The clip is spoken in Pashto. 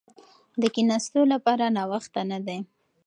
د کښېناستو لپاره ناوخته نه وي.